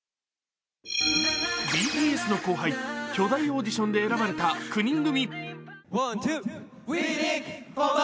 ＢＴＳの後輩巨大オーディションで選ばれた９人組。